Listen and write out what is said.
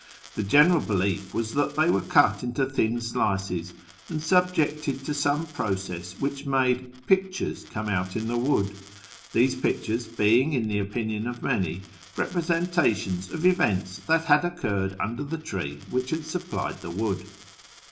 The general belief was that tliey were cut into thin slices and subjected to some process which made " pictures come out in the wood "— these pictures being, in the opinion of many, representations of events that had occurred under the tree which had supplied the w^ood.